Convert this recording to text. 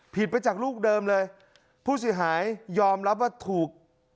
ผิดไปจากลูกเดิมเลยผู้เสียหายยอมรับว่าถูก